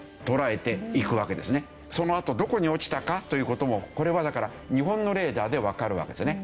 そのあとどこに落ちたかという事もこれはだから日本のレーダーでわかるわけですよね。